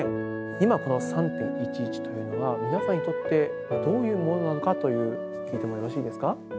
今、この３．１１というのは、皆さんにとって、どういうものなのかということを聞いてもよろしいですか？